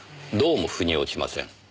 どうも腑に落ちません。